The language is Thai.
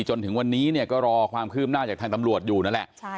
จนถึงวันนี้เนี่ยก็รอความคืบหน้าจากทางตำรวจอยู่นั่นแหละ